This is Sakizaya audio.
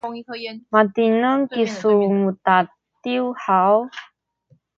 matineng kisu mudadiw haw?